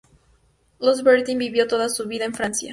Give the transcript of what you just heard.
Louise Bertin vivió toda su vida en Francia.